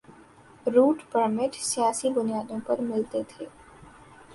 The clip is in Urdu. روٹ پرمٹ سیاسی بنیادوں پہ ملتے تھے۔